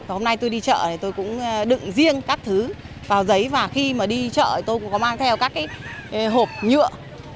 hôm nay tôi đi chợ thì tôi cũng đựng riêng các thứ vào giấy và khi mà đi chợ tôi cũng có mang theo các cái hộp nhựa